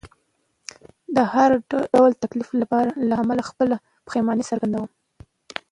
د هر ډول تکلیف له امله خپله پښیماني څرګندوم.